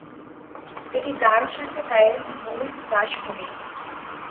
এটি গারো সম্প্রদায়ের মূল বাসভূমি।